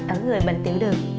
ở người bệnh tiểu đường